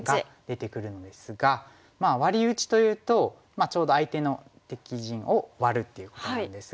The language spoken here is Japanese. まあワリ打ちというとちょうど相手の敵陣をワルということなんですが。